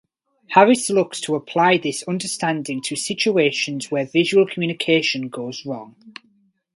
Harris looks to apply this understanding to situations where visual communication goes wrong.